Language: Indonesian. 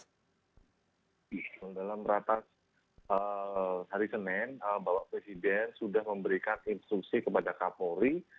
dalam ratas hari senin bapak presiden sudah memberikan instruksi kepada kapolri